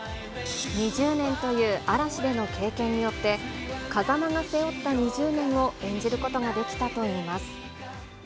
２０年という嵐での経験によって、風真が背負った２０年を演じることができたといいます。